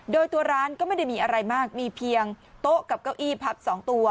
โดยตัวร้านก็ไม่ได้มีอะไรมากมีเพียงโต๊ะกับเก้าอี้พับ๒ตัว